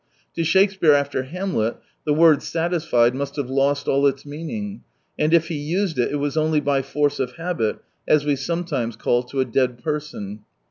To Shakespeare, after Hamlet, the word " satis fied " must have lost all its meaning, and if he used it, it was only by force of habit, as we sometimes call to a dead person.